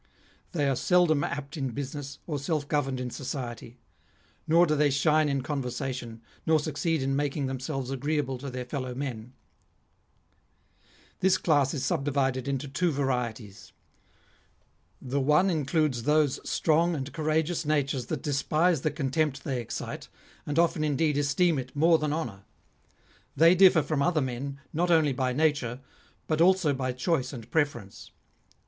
They are seldom apt in business, or self governed in society ; nor do they shine in conversation, nor succeed in making themselves agreeable to their fellow men. This class is PHILIP OTTONIERL 129 subdivided into two varieties. The one includes those strong and courageous natures that despise the contempt they excite, and often indeed esteem it more than honour. They differ from other men, not only by nature, but also by choice and preference.